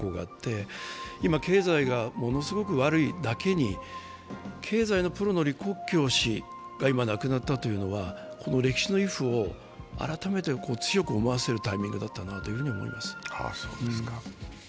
今経済がものすごく悪いだけに経済のプロの李克強氏が今、亡くなったというのは、歴史のイフを改めて強く思わせるタイミングだったと思います。